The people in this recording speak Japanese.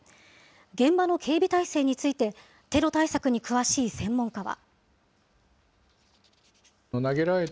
現場の警備態勢について、テロ対策に詳しい専門家は。